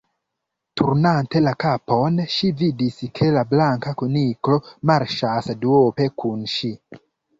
Turnante la kapon, ŝi vidis ke la Blanka Kuniklo marŝas duope kun ŝi.